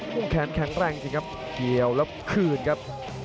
แขนแข็งแรงจริงครับเกี่ยวแล้วคืนครับ